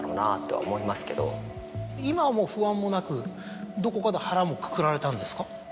今はもう不安もなくどこかで腹もくくられたんですか？